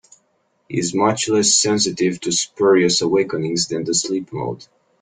Is much less sensitive to spurious awakenings than the sleep mode.